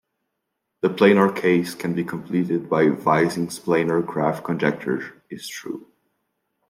The planar case can be completed if Vizing's planar graph conjecture is true.